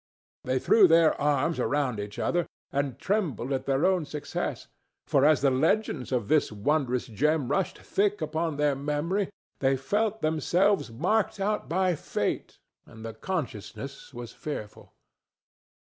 They threw their arms around each other and trembled at their own success, for as the legends of this wondrous gem rushed thick upon their memory they felt themselves marked out by fate, and the consciousness was fearful.